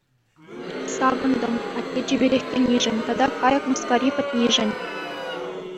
Савӑнтӑм атте чиперех килнишӗн тата кайӑк мыскари пӗтнишӗн.